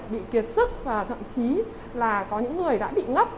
bị kiệt sức và thậm chí là có những người đã bị ngấp